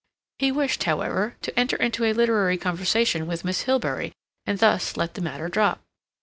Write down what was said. He wished, however, to enter into a literary conservation with Miss Hilbery, and thus let the matter drop.